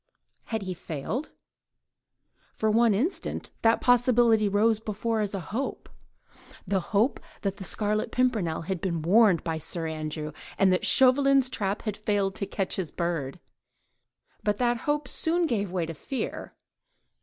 Had he failed? For one instant that possibility rose before her as a hope—the hope that the Scarlet Pimpernel had been warned by Sir Andrew, and that Chauvelin's trap had failed to catch his bird; but that hope soon gave way to fear.